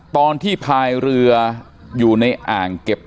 ตอนที่พายเรืออยู่ในอ่างเก็บน้ำ